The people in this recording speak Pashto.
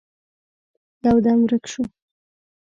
يودم ورک شو.